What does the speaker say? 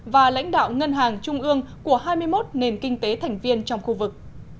và lãnh đạo ngân hàng trung ương của hai mươi một nền kinh tế thành viên trong khu vực